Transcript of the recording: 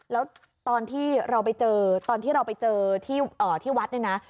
แล้วตอนที่เราไปเจอที่วัดเนี่ยนะ